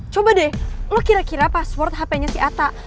coba deh lo kira kira password hp nya si atta